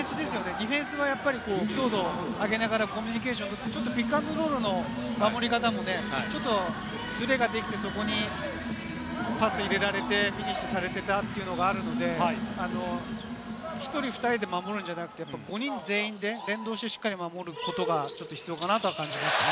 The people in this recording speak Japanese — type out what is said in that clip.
ディフェンスの強度を上げながらコミュニケーション、ピックアンドロールの守り方もずれができて、そこにパス入れられて、ミスされてたというのがあるので、１人２人で守るんじゃなくて５人全員で連動してしっかり守ることが必要かなと感じます。